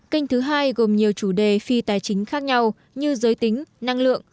kênh thứ hai gồm nhiều chủ đề phi tài chính khác nhau như giới tính năng lượng